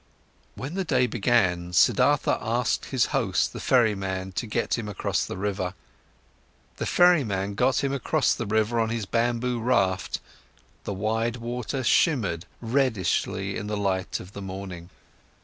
When the day began, Siddhartha asked his host, the ferryman, to get him across the river. The ferryman got him across the river on his bamboo raft, the wide water shimmered reddishly in the light of the morning.